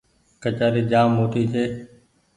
ڪچآري جآم موٽي ڇي۔